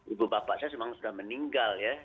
ibu bapak saya memang sudah meninggal ya